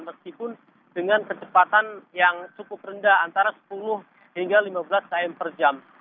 meskipun dengan kecepatan yang cukup rendah antara sepuluh hingga lima belas km per jam